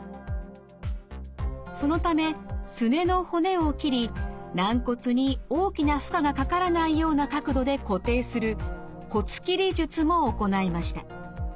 そのためすねの骨を切り軟骨に大きな負荷がかからないような角度で固定する骨切り術も行いました。